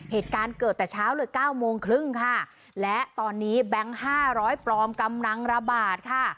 เหตุการณ์เกิดแต่เช้าเลยเก้าโมงครึ่งค่ะและตอนนี้แบงค์ห้าร้อยปลอมกำลังระบาดค่ะ